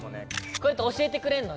これって教えてくれるの？